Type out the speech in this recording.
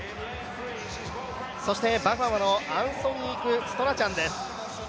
そしてバハマのアントニーク・ストラチャンです。